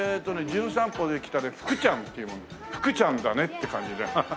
『じゅん散歩』で来たね福ちゃんという者で「福ちゃんだね」って感じでハハハハ。